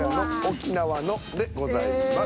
「沖縄の」でございます。